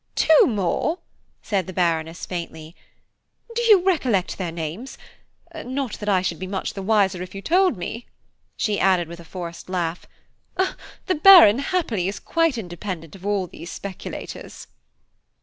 "Two more!" said the Baroness, faintly; "do you recollect their names? not that I should be much the wiser if you told me," she added with a forced laugh. "The Baron happily is quite independent of all these speculators."